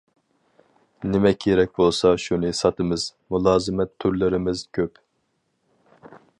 « نېمە كېرەك بولسا شۇنى ساتىمىز، مۇلازىمەت تۈرلىرىمىز كۆپ».